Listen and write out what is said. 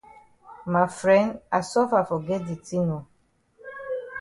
Ma fren I suffer for get di tin oo.